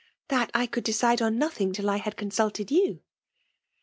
'^ That I could decide on nothing till I had consulted you.'